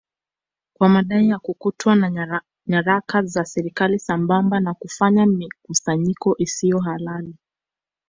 kwa madai ya kukutwa na nyaraka za serikali sambamba na kufanya mikusanyiko isiyo halali